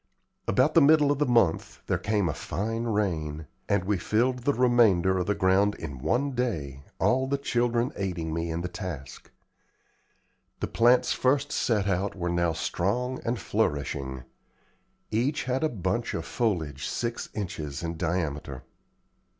About the middle of the month there came a fine rain, and we filled the remainder of the ground in one day, all the children aiding me in the task. The plants first set out were now strong and flourishing. Each had a bunch of foliage six inches in diameter.